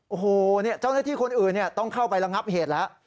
โอ้โหเจ้าหน้าที่คนอื่นต้องเข้าไประงับเหตุแล้ว